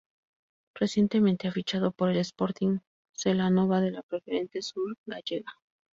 Recientemente ha fichado por el Sporting Celanova de la Preferente Sur Gallega.